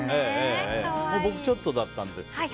僕、ちょっとだったんですけど。